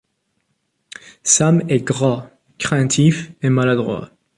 Sam est gras, craintif et maladroit.